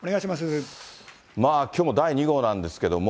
きょうの第２号なんですけれども、